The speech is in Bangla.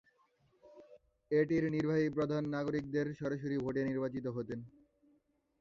এটির নির্বাহী প্রধান নাগরিকদের সরাসরি ভোটে নির্বাচিত হতেন।